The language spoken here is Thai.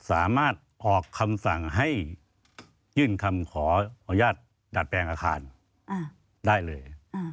สามารถออกคำสั่งให้ยื่นคำขออนุญาตดัดแปลงอาคารได้เลย